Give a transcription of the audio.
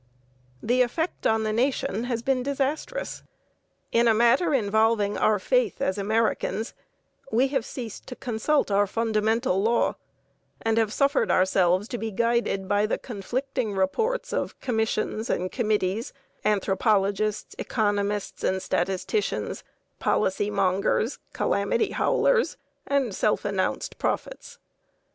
The effect on the nation has been disastrous. In a matter involving our faith as Americans, we have ceased to consult our fundamental law, and have suffered ourselves to be guided by the conflicting reports of commissions and committees, anthropologists, economists, and statisticians, policy mongers, calamity howlers, and self announced prophets.